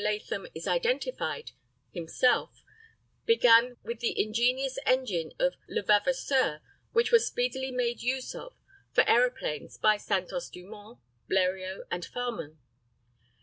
Latham has identified himself began with the ingenious engine of Levavasseur, which was speedily made use of for aeroplanes by Santos Dumont, Bleriot, and Farman.